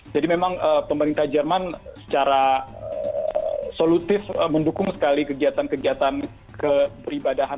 jadi memang pemerintah jerman secara solutif mendukung sekali kegiatan kegiatan keberibadahan